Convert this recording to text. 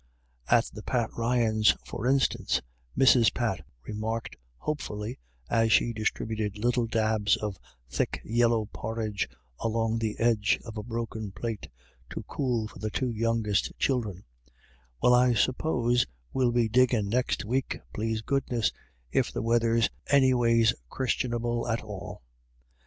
At the Pat Ryans', for instance, Mrs. Pat re marked hopefully, as she distributed little dabs of the thick yellow porridge along the edge of a broken plate to cool for the two youngest children :" Well, I suppose we'll be diggin' next week, please goodness, if the weather's anyways christianable at all." i 88 IRISH ID YLLS.